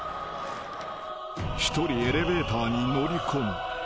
［一人エレベーターに乗り込む。